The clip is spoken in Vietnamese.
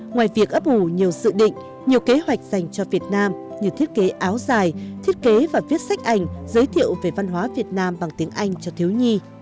ngoài việc ấp ủ nhiều dự định nhiều kế hoạch dành cho việt nam như thiết kế áo dài thiết kế và viết sách ảnh giới thiệu về văn hóa việt nam bằng tiếng anh cho thiếu nhi